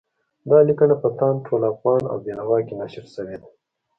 دا لیکنه په تاند، ټول افغان او بېنوا کې نشر شوې ده.